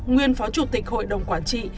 nguyên phó chủ tịch hội đồng quản trị